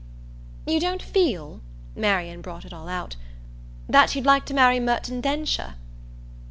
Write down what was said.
"You don't feel" Marian brought it all out "that you'd like to marry Merton Densher?"